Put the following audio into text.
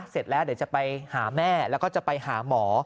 เสร็จแล้วเดี๋ยวจะไปหาแม่แล้วก็จะไปหาหมอ